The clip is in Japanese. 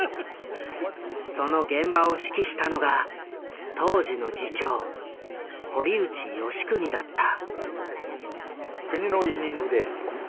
その現場を指揮したのが当時の次長堀内好訓だった。